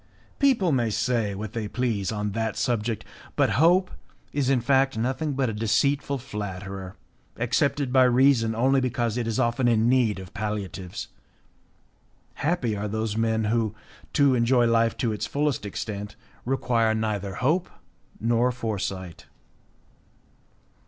People may say what they please on that subject but hope is in fact nothing but a deceitful flatterer accepted by reason only because it is often in need of palliatives. Happy are those men who, to enjoy life to the fullest extent, require neither hope nor foresight.